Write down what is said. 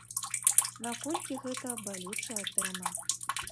Наколькі гэта балючая тэма.